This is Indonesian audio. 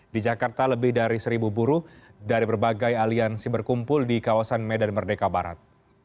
di jakarta lebih dari seribu buruh dari berbagai aliansi berkumpul di kawasan medan merdeka barat